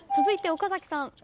続いて岡崎さん。